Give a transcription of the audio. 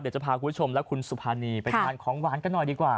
เดี๋ยวจะพาคุณผู้ชมและคุณสุภานีไปทานของหวานกันหน่อยดีกว่า